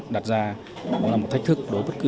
đặt ra là một thách thức